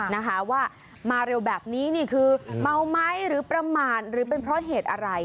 นะคะว่ามาเร็วแบบนี้นี่คือเมาไหมหรือประมาทหรือเป็นเพราะเหตุอะไร